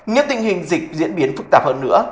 nếu tình hình dịch diễn biến phức tạp hơn nữa